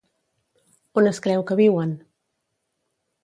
On es creu que viuen?